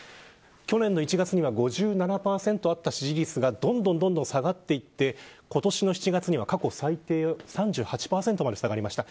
去年の１月には５７％だったのがどんどん下がっていて今年の７月には過去最低の３８％に下がりました。